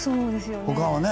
他はね。